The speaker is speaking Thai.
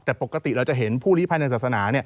แต่ปกติเราจะเห็นผู้ลิภัยในศาสนา